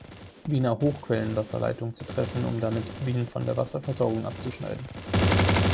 Wiener Hochquellenwasserleitung zu treffen, um damit Wien von der Wasserversorgung abzuschneiden.